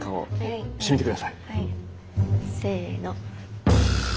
せの。